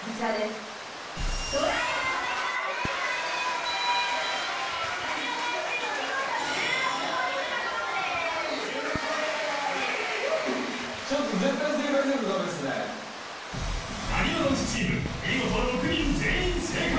なにわ男子チーム見事６人全員正解